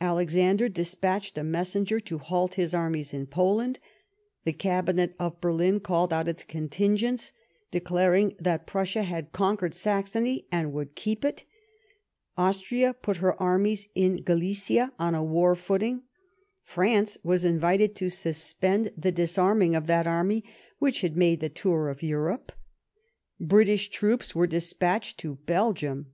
Alexander despatched a messenger to halt his armies in Poland ; the Cabinet of Berlin called out its contingents, declaring that Prussia had conquered Saxony, and would keep it ; Austria put her armies in Galicia on a war footing ; France was invited to suspend 134 LIFE OF PlilNCE METTEBNICK the disarming' of that army which " had made the tour of Europe •," British troops were despatched to Belgiunf.